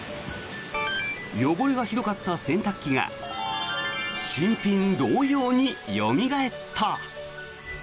汚れがひどかった洗濯機が新品同様によみがえった。